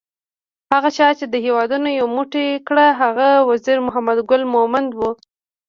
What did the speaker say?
هغه چا چې دا هیواد یو موټی کړ هغه وزیر محمد ګل مومند وو